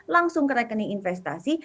langsung ke rekening investasi